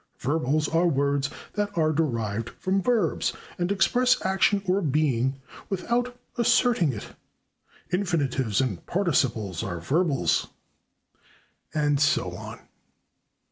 Verbals are words that are derived from Verbs and express action or being without asserting it. Infinitives and Participles are Verbals. And so on.